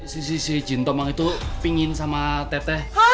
si si si si jintomang itu pingin sama teteh